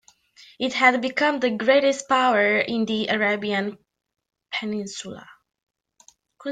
It had become the greatest power in the Arabian peninsula.